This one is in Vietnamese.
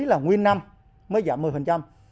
là nguyên năm mới giảm một mươi